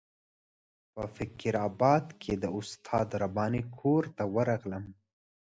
په فقیر آباد کې د استاد رباني کور ته ورغلم.